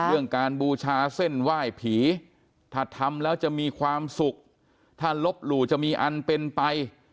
เรื่องการบูชาเส้นไหว้ผีถ้าทำแล้วจะมีความสุขถ้าลบหลู่จะมีอันเป็นไป